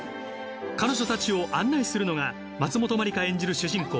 彼女たちを案内するのが松本まりか演じる主人公